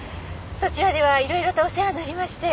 そちらではいろいろとお世話になりまして。